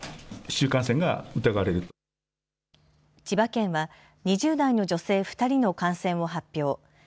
千葉県は、２０代女性２人の感染を発表。